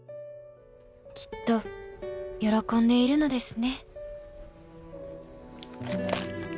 「きっと喜んでいるのですね」